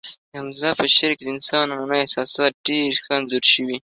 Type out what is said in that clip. د حمزه په شعر کې د انسان ننني احساسات ډېر ښه انځور شوي